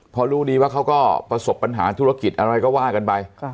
พอรู้ดีว่าเขาก็ประสบปัญหาธุรกิจอะไรก็ว่ากันไป